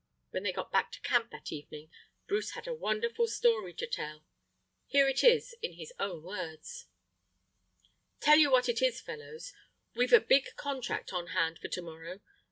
When they got back to camp that evening Bruce had a wonderful story to tell. Here it is in his own words:— "Tell you what it is, fellows, we've a big contract on hand for to morrow.